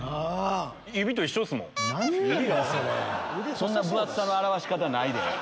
そんな分厚さの表し方ないで。